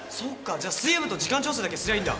じゃあ水泳部と時間調整だけすりゃあいいんだ。